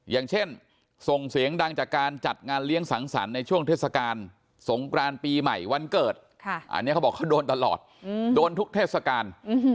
อย่างเช่นส่งเสียงดังจากการจัดงานเลี้ยงสังสรรค์ในช่วงเทศกาลสงกรานปีใหม่วันเกิดอันนี้เขาบอกเขาโดนตลอดโดนทุกเทศกาล